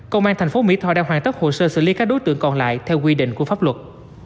công an thành phố mỹ tho đang hoàn tất hồ sơ xử lý các đối tượng còn lại theo quy định của pháp luật